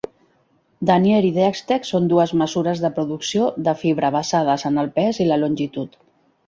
Denier i Dtex són dues mesures de producció de fibra basades en el pes i la longitud.